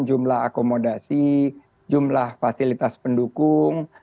jumlah akomodasi jumlah fasilitas pendukung